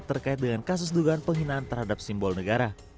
terkait dengan kasus dugaan penghinaan terhadap simbol negara